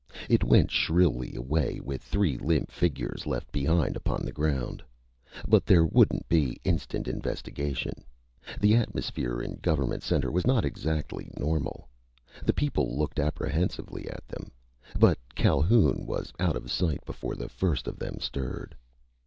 It went shrilly away with three limp figures left behind upon the ground. But there wouldn't be instant investigation. The atmosphere in Government Center was not exactly normal. People looked apprehensively at them. But Calhoun was out of sight before the first of them stirred.